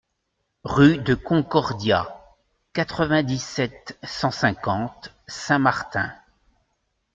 RUE DE CONCORDIA, quatre-vingt-dix-sept, cent cinquante Saint Martin